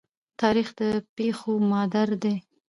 تاریخ د پېښو مادر دی.